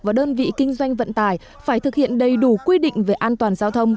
và đơn vị kinh doanh vận tải phải thực hiện đầy đủ quy định về an toàn giao thông